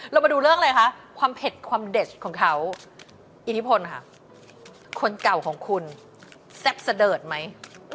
เรามาดูเรื่องอะไรคะความเผ็ดความเด็ดของเขาอิทธิพลค่ะคนเก่าของคุณแซ่บเสดิร์ดไหม